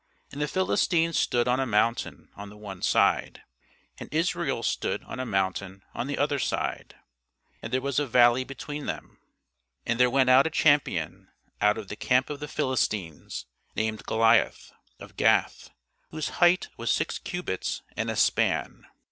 And the Philistines stood on a mountain on the one side, and Israel stood on a mountain on the other side; and there was a valley between them. And there went out a champion out of the camp of the Philistines, named Goliath, of Gath, whose height was six cubits and a span.